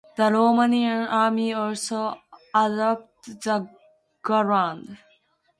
The Romanian Army also adopted the Galand.